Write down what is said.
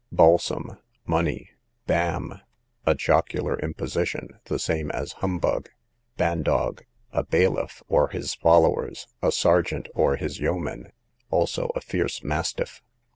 Balsam, money. Bam, a jocular imposition, the same as humbug. Bandog, a bailiff, or his followers; a sergeant, or his yeomen; also a fierce mastiff.